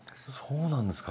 そうなんですか。